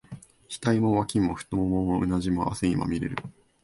額も、脇も、太腿も、うなじも、汗にまみれる。